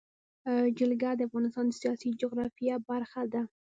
جلګه د افغانستان د سیاسي جغرافیه برخه ده.